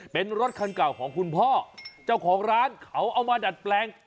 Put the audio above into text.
เป็นรถคันเก่าของคุณพ่อเจ้าของร้านเขาเอามาดัดแปลง